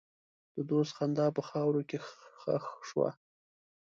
د دوست خندا په خاوره کې ښخ شوه.